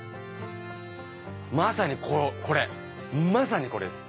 まさにこれまさにこれです。